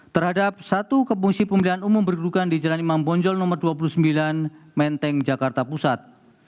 terhadap satu ke fungsi pemilihan umum berdudukan di jalan imam bonjol nomor dua puluh sembilan menteng jakarta pusat